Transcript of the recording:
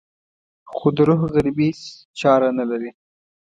خو د روح غريبي هېڅ چاره نه لري.